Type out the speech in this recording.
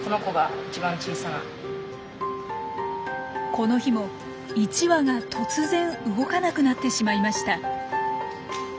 この日も１羽が突然動かなくなってしまいました。